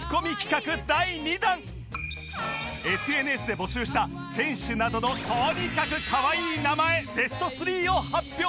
ＳＮＳ で募集した選手などのとにかくかわいい名前ベスト３を発表します